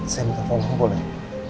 saya minta tolong boleh